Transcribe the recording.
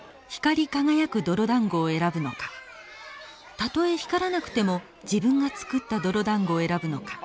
たとえ光らなくても自分が作った泥だんごを選ぶのか。